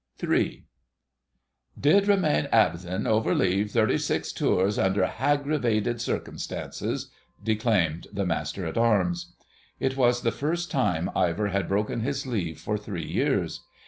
*III.* "Did remain absen' over leave thirty six tours, under haggravated circumstances," declaimed the Master at Arms. It was the first time Ivor had broken his leave for three years.